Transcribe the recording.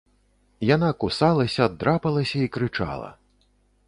Яна кусалася, драпалася і крычала.